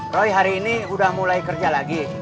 roy hari ini udah mulai kerja lagi